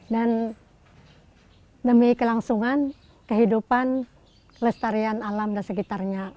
dan demi kelangsungan kehidupan kelestarian alam dan sekitarnya